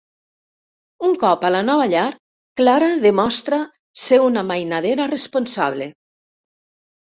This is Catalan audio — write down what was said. Un cop a la nova llar, Clara demostra ser una mainadera responsable.